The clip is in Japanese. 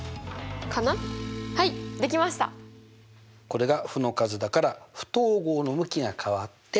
これが負の数だから不等号の向きが変わって。